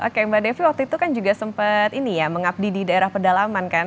oke mbak devi waktu itu kan juga sempat ini ya mengabdi di daerah pedalaman kan